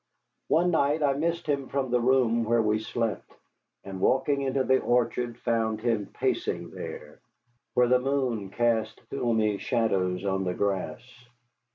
One night I missed him from the room where we slept, and walking into the orchard found him pacing there, where the moon cast filmy shadows on the grass.